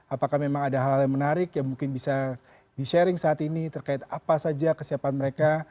apakah memang ada hal hal yang menarik yang mungkin bisa di sharing saat ini terkait apa saja kesiapan mereka